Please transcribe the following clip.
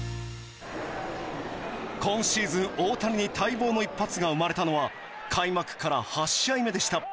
今シーズン大谷に待望の１発が生まれたのは開幕から８試合目でした。